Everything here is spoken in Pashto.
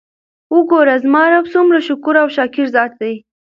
وګوره! زما رب څومره شکور او شاکر ذات دی!!؟